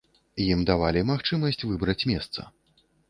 Ім давалі магчымасць выбраць месца.